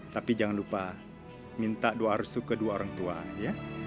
tapi jangan lupa minta doa restu kedua orang tua ya